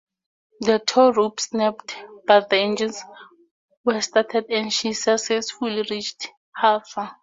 The tow rope snapped, but the engines were started and she successfully reached Haifa.